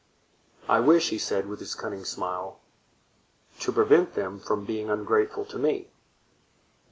"I wish," he said, with his cunning smile, "to prevent them from being ungrateful to me."